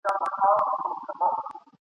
زور د ستمګر مو پر سینه وجود وېشلی دی !.